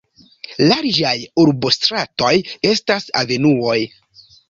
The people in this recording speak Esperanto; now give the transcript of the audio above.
Larĝaj urbostratoj estas avenuoj.